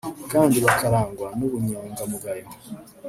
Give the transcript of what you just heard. kandi bakarangwa n’ubunyangamugayo